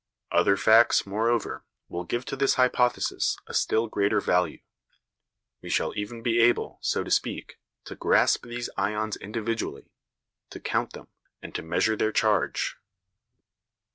Other facts, moreover, will give to this hypothesis a still greater value; we shall even be able, so to speak, to grasp these ions individually, to count them, and to measure their charge.